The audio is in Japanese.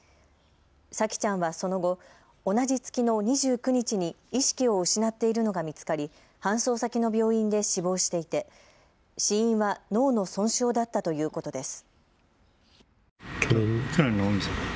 沙季ちゃんはその後、同じ月の２９日に意識を失っているのが見つかり、搬送先の病院で死亡していて死因は脳の損傷だったということです。